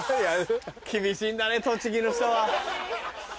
厳しいんだね栃木の人は。